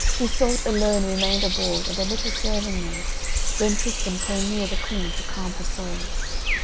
Iseult alone remained aboard and a little serving maid, when Tristan came near the Queen to calm her sorrow.